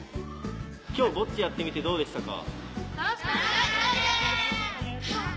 今日ボッチャやってみてどうでしたか？